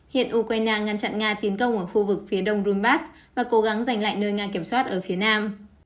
hiện ukraine ngăn chặn nga tiến công ở khu vực phía đông rumbas và cố gắng giành lại nơi nga kiểm soát ở phía nam